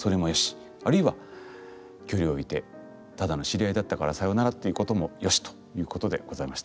あるいは距離を置いてただの知り合いだったからさよならということもよしということでございました。